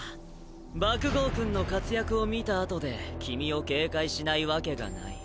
爆豪くんの活躍を見た後で君を警戒しないわけがない。